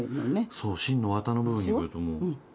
そう芯のわたの部分に来るともう。